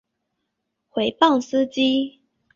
毁谤司机